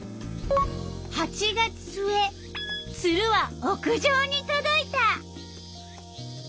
ツルは屋上にとどいた。